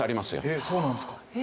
へえそうなんですか。